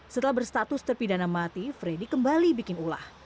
setelah berstatus terpidana mati freddy kembali bikin ulah